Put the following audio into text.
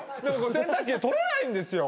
洗濯機で取れないんですよ。